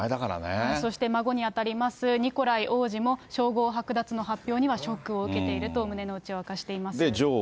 そして孫に当たりますニコライ王子も称号剥奪の発表にはショックを受けていると、女王は。